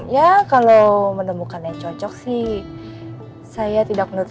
ya kalau menemukan yang cocok sih saya tidak menurut saya